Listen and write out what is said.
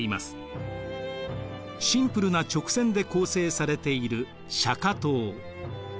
シンプルな直線で構成されている釈迦塔。